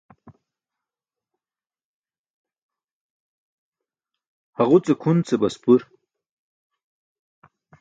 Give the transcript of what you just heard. Haġuce kʰun ce baspur.